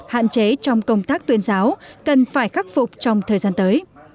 hạn chế trong công tác tuyên giáo cần phải khắc phục trong thời gian tới